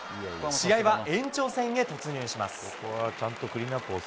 試合は延長戦へ突入します。